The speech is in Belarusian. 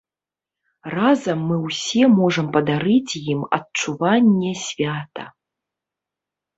Разам мы ўсе можам падарыць ім адчуванне свята.